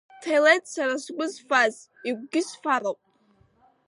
Ҭелеҭ, сара сгәы зфаз, игәгьы сфароуп!